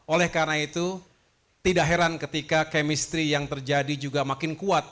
oleh karena itu tidak heran ketika chemistry yang terjadi juga makin kuat